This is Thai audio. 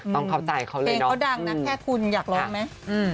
ต้องเข้าใจเขาเลยพี่